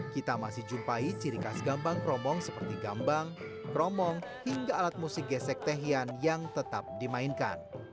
kita masih jumpai ciri khas gambang kromong seperti gambang kromong hingga alat musik gesek tehian yang tetap dimainkan